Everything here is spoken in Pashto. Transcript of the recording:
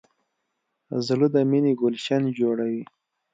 زړه د مینې ګلشن جوړوي.